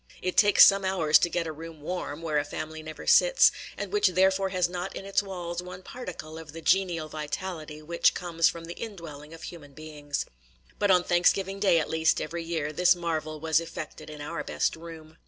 It takes some hours to get a room warn, where a family never sits, and which therefore has not in its walls one particle of the genial vitality which comes from the in dwelling of human beings. But on Thanksgiving day, at least, every year, this marvel was effected in our best room.